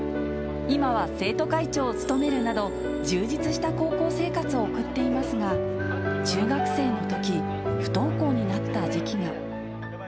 今は生徒会長を務めるなど、充実した高校生活を送っていますが、中学生のとき、不登校になった時期が。